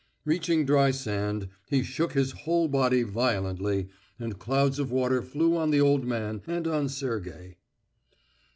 Reaching dry sand, he shook his whole body violently, and clouds of water flew on the old man and on Sergey.